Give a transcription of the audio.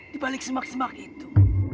di balik semak semak itu